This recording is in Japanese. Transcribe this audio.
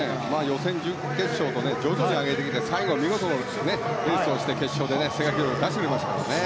予選、準決勝と徐々に上げてきて最後は見事なレースをして決勝で世界記録を出してくれましたからね。